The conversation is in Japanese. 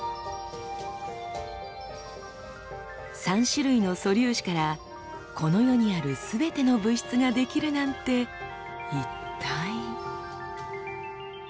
３種類の素粒子からこの世にあるすべての物質が出来るなんて一体。